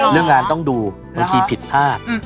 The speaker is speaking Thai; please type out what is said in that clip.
เรื่องงานต้องดูบางทีผิดพลาด